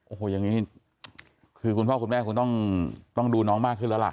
โอ้โหอย่างนี้คือคุณพ่อคุณแม่คงต้องดูน้องมากขึ้นแล้วล่ะ